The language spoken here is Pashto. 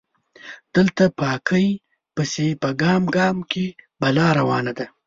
دلته پاکۍ پسې په ګام ګام کې بلا روانه